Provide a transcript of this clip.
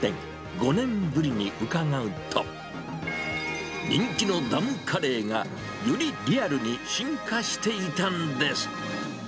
５年ぶりに伺うと、人気のダムカレーが、よりリアルに進化していたんです。